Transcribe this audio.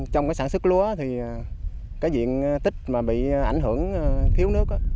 trong cái sản xuất lúa thì cái diện tích mà bị ảnh hưởng thiếu nước